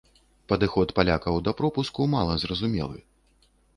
Падыход палякаў да пропуску мала зразумелы.